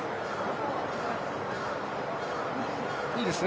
いいですね。